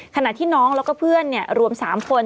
ขณะที่น้องแล้วก็เพื่อนรวม๓คน